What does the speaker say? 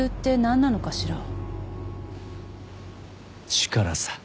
力さ。